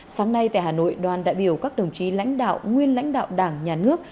sáng nay tại hà nội đoàn đại biểu các đồng chí lãnh đạo nguyên lãnh đạo đảng nhà nước